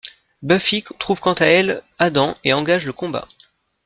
Buffy trouve quant à elle Adam et engage le combat.